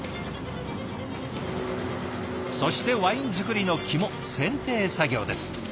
そしてワイン造りの肝選定作業です。